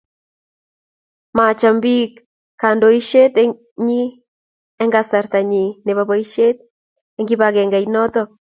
macham biik kandoishet nyi eng kasarta nyi nebo boishet eng kibagengeit noto